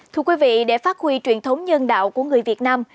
thưa quý vị để phát huy truyền thống nhân đạo của người việt nam